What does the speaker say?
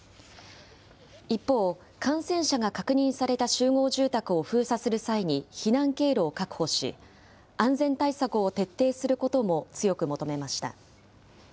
一方、感染者が確認された集合住宅を封鎖する際に避難経路を確保し、安全対策を徹底することも強く求めました。